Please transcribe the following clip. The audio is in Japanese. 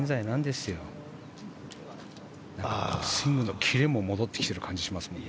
スイングのキレも戻ってきてる感じがしますね。